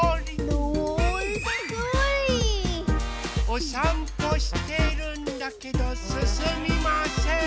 おさんぽしているんだけどすすみません。